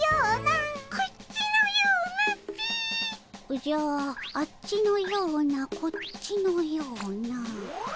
おじゃあっちのようなこっちのような。